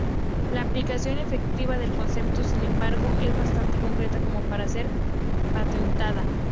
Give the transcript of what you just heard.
La aplicación efectiva del concepto, sin embargo, es bastante concreta como para ser patentada.